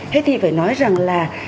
thế thì phải nói rằng là